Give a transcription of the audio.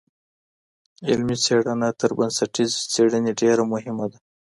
علمي څېړنه تر بنسټیزي څېړني ډېره عملي ده.